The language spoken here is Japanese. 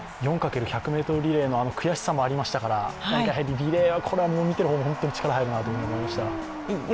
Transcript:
４×１００ｍリレーの悔しさもありましたから、リレーは見ている方も本当に力が入るなという感じがしました。